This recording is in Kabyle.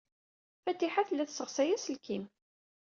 Fatiḥa tella tesseɣsay aselkim.